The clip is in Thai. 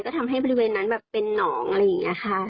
ก็ทำให้บริเวณนั้นเป็นน้องอย่างนี้ค่ะ